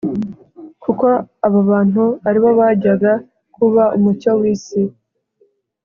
kuko abo bantu ari bo bajyaga kuba umucyo w’isi